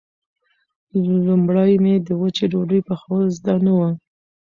لومړی مې د وچې ډوډۍ پخول زده نه و.